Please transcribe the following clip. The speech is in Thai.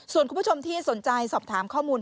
ส่วนคุณผู้ชมที่สนใจสอบถามข้อมูล